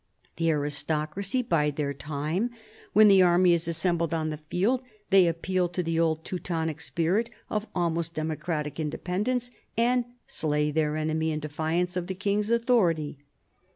The aristocracy bide their time. When the army is assembled in the field they appeal to the old Teutonic spirit of almost democratic indepen dence, and slay their enemy in defiance of the king's authority.